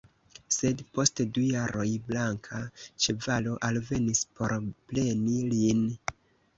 Sed, post du jaroj, blanka ĉevalo alvenis por preni lin.